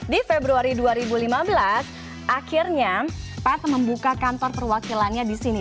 di februari dua ribu lima belas akhirnya path membuka kantor perwakilannya di sini